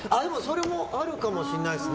それもあるかもしれないです。